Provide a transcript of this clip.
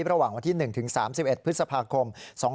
ระหว่างวันที่๑ถึง๓๑พฤษภาคม๒๕๖๒